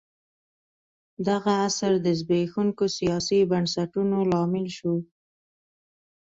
دغه عصر د زبېښونکو سیاسي بنسټونو لامل شو.